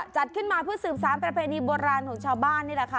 จัดขึ้นมาเพื่อสืบสารประเพณีโบราณของชาวบ้านนี่แหละค่ะ